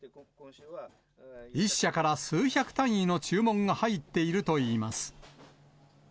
１社から数百単位の注文が入っているといいます。